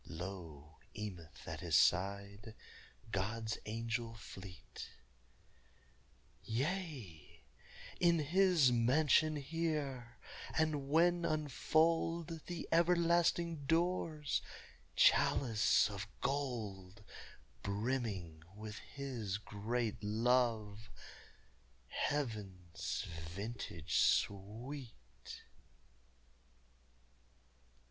Lo! Emeth at his side, God's angel fleet: "Yea, in His mansion here; and when unfold The everlasting doors, chalice of gold Brimming with His great love heaven's vintage sweet!"